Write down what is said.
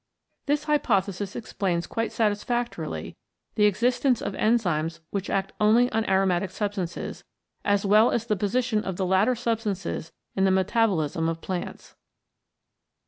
This hypothesis explains quite satisfactorily the existence of enzymes which act only on aromatic substances, as well as the position of the latter substances in the meta bolism of plants.